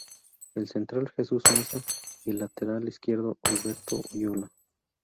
El central Jesús Meza y el lateral izquierdo Alberto Oyola.